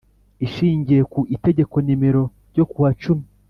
Ishingiye ku itegeko Nimero ryo kuwacumi